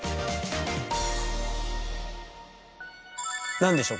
何でしょう？